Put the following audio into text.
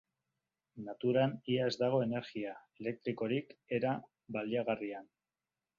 Naturan ia ez dago energia elektrikorik era baliagarrian.